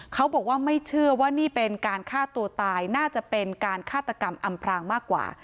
เขาบอกว่าไม่เชื่อว่านี่เป็นการฆ่าตัวตายน่าจะเป็นการฆาตกรรมอำพรางมากกว่า